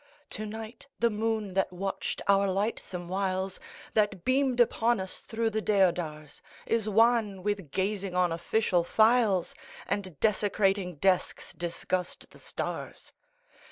To night the moon that watched our lightsome wilesâ That beamed upon us through the deodarsâ Is wan with gazing on official files, And desecrating desks disgust the stars.